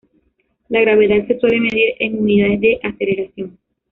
La gravedad se suele medir en unidades de aceleración.